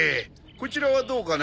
こちらはどうかな？